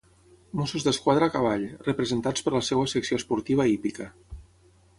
Mossos d'Esquadra a cavall, representats per la seva secció esportiva hípica.